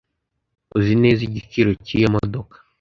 Uzi neza igiciro cyiyo modoka